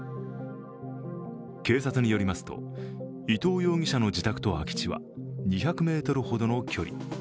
警察によりますと、伊藤容疑者の自宅と空き地は２００ｍほどの距離。